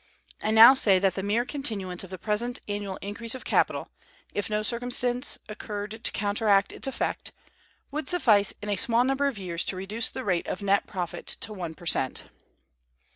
I now say that the mere continuance of the present annual increase of capital, if no circumstance occurred to counteract its effect, would suffice in a small number of years to reduce the rate of net profit to one per cent.